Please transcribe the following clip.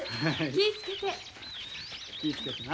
気ぃ付けてな。